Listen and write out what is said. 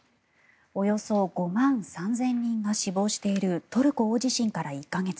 およそ５万３０００人が死亡しているトルコ大地震から１か月。